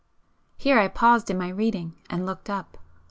Here I paused in my reading and looked up.